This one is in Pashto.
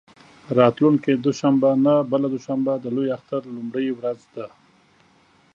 راتلونکې دوشنبه نه، بله دوشنبه د لوی اختر لومړۍ ورځ ده.